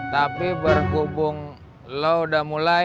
tapi berhubung lo udah mulai